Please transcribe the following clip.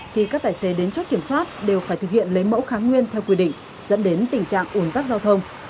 khi các tài xế đến chốt kiểm soát đều phải thực hiện lấy mẫu kháng nguyên theo quy định dẫn đến tình trạng ủn tắc giao thông